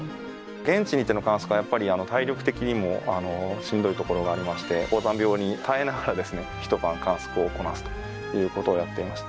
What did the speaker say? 現地に行っての観測はやっぱり体力的にもしんどいところがありまして高山病に耐えながらですね一晩観測をこなすということをやっていました。